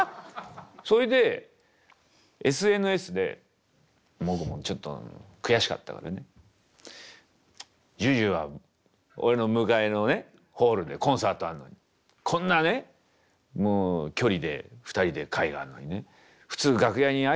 それでＳＮＳで僕もちょっと悔しかったからね「ＪＵＪＵは俺の向かいのねホールでコンサートあんのにこんなねもう距離で２人で会があんのにね普通楽屋に挨拶来るもんだけどな」みたいなまあ